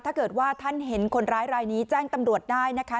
ถ้าเกิดว่าท่านเห็นคนร้ายรายนี้แจ้งตำรวจได้นะคะ